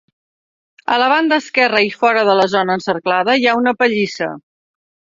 A la banda esquerra i fora de la zona encerclada hi ha una pallissa.